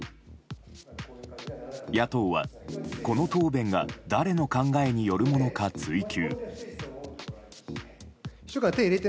野党は、この答弁が誰の考えによるものか追及。